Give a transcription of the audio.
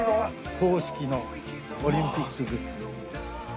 公式のオリンピックグッズ。